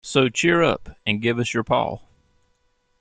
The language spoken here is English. So cheer up, and give us your paw.